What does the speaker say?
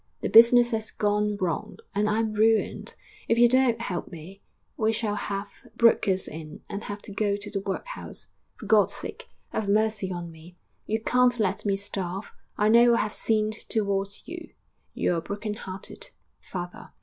The business has gone wrong ... and I am ruined.... If you don't help me ... we shall have the brokers in ... and have to go to the workhouse.... For God's sake ... have mercy on me! You can't let me starve.... I know I have sinned towards you. Your broken hearted ... FATHER.'